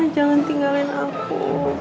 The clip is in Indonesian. jangan tinggalin aku